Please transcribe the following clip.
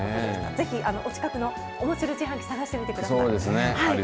ぜひ、お近くのオモシロ自販機探してみてください。